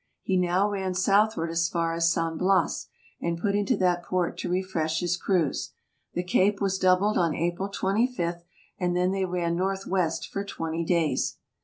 He now ran south ward as far as San Bias, and put into that port to refresh his crews. The Cape was doubled on April 25, and then they ran northwest for twenty days.